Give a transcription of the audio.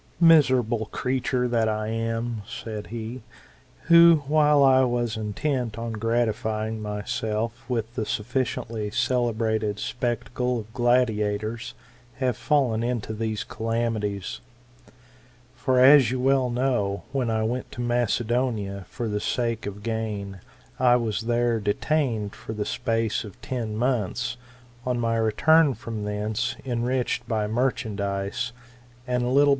'* Miserable creature that I am ! said he : who, while I was intent on gratifying myself with the sufficiently celebrated spectacle of gladiators, have fallen into these calamities. For, as you well know, when I went to Macedonia for the sake of gain, and was there detained for the space of ten months ; on my return from thence, enriched by merchandise, and a little GOLDEN ASS| OF APULEIUS. — BOOK I.